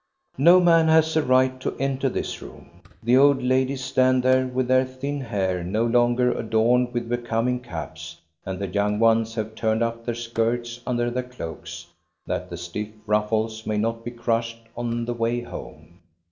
No man has a right to enter this room. The old ladies stand there with their thin hair no longer adorned with becoming caps; and the young ones have turned up their skirts under their cloaks, that the stiff ruffles may not be crushed on the way home.